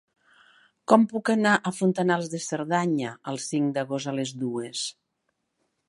Com puc anar a Fontanals de Cerdanya el cinc d'agost a les dues?